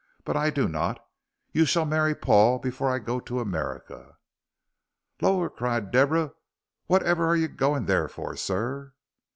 "But I do not. You shall marry Paul before I go to America." "Lor'!" cried Deborah, "whatever are you a goin' there for, sir?"